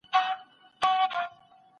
لېري لېري له دې نورو څه او سېږي